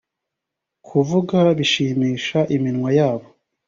kuvuga bishimisha iminwa yabo .